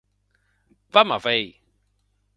Vam a veir!